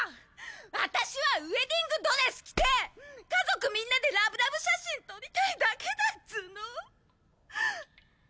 私はウェディングドレス着て家族みんなでラブラブ写真撮りたいだけだっつうの。